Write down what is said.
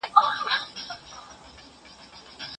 پخوانی استاد په هره موضوع نه پوهېده.